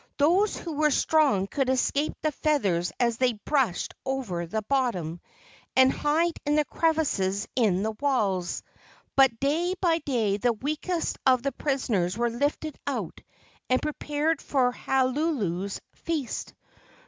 Those who were strong could escape the feathers as they brushed over the bottom and hide in the crevices in the walls, but day by day the weakest of the prisoners were lifted out and prepared for Halulu's feast.